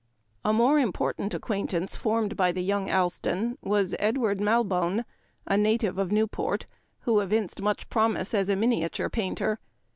A more important acquaintance formed by young Allston was Edward Malbone, a native of New port, who evinced much promise as a miniature painter.